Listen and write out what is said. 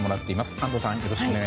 安藤さん